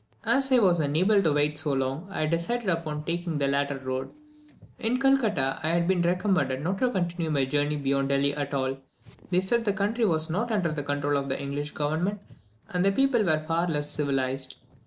As I was unable to wait so long, I decided upon taking the latter road. In Calcutta, I had been recommended not to continue my journey beyond Delhi at all. They said the country was not under the control of the English government, and the people were far less civilized.